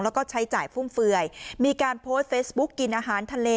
แล้วก็ใช้จ่ายฟุ่มเฟือยมีการโพสต์เฟซบุ๊กกินอาหารทะเล